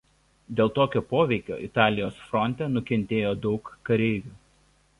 Dėl tokio poveikio Italijos fronte nukentėjo daug kareivių.